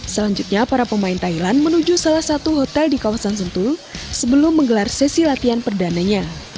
selanjutnya para pemain thailand menuju salah satu hotel di kawasan sentul sebelum menggelar sesi latihan perdananya